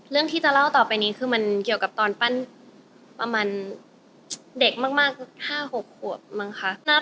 เรื่องที่จะเล่าต่อไปนี้คือมันเกี่ยวกับตอนปั้นประมาณเด็กมาก๕๖ขวบมั้งคะ